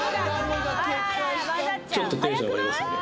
ちょっとテンション上がりますよね